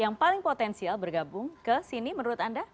yang paling potensial bergabung ke sini menurut anda